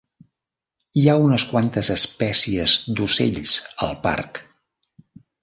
Hi ha unes quantes espècies d'ocells al parc.